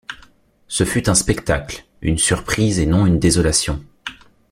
Ce fut un spectacle, une surprise et non une désolation.